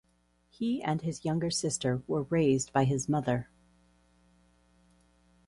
He and his younger sister were raised by his mother.